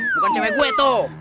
bukan cewe gewa tuh